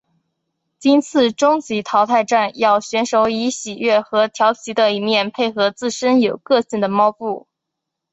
今次终极淘汰战要选手以喜悦和佻皮的一面配合自身有个性的猫步。